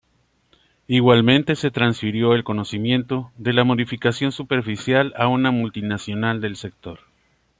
Igualmente se transfirió el conocimiento de la modificación superficial a una multinacional del sector.